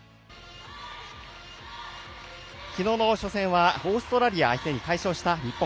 きのうの初戦はオーストラリア相手に快勝した日本。